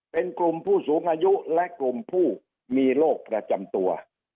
เป็นกลุ่มผู้สูงอายุและกลุ่มผู้มีโรคประจำตัว